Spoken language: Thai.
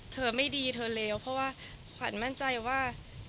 เธอไม่ดีเธอเลวเพราะว่าขวัญมั่นใจว่า